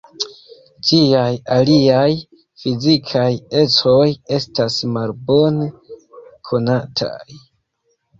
Ĝiaj aliaj fizikaj ecoj estas malbone konataj.